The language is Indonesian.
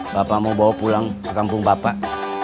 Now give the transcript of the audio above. bapak mau bawa pulang ke kampung bapak